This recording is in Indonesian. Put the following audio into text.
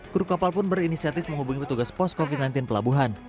kru kapal pun berinisiatif menghubungi petugas pos covid sembilan belas pelabuhan